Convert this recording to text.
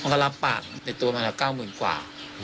เขาก็รับปากติดตัวมาละ๙๐กว่า